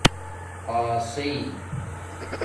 پاسئئ